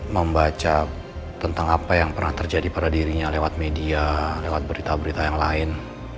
membaca tentang apa yang pernah terjadi pada dirinya lewat media lewat berita berita yang lain